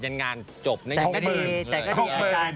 จนงานจบยังไม่ได้